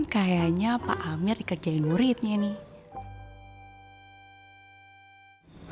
kayaknya pak amir dikerjain muridnya nih